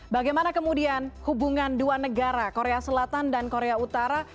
bagaimana kemudian hubungan dua negara korea selatan dan korea utara